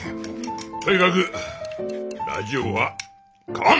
とにかくラジオは買わん！